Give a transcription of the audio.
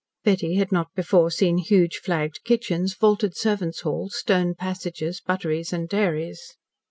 Betty had not before seen huge, flagged kitchens, vaulted servants' halls, stone passages, butteries and dairies.